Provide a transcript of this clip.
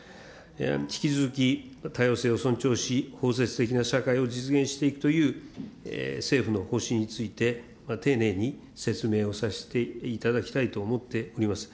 引き続き多様性を尊重し、包摂的な社会を実現していくという政府の方針について、丁寧に説明をさせていただきたいと思っております。